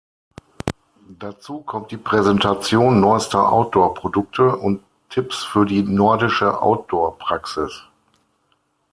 Dazu kommt die Präsentation neuester Outdoor-Produkte und Tipps für die nordische Outdoor-Praxis.